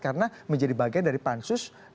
karena menjadi bagian dari pansus